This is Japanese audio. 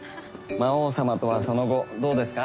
魔王様とはその後どうですか？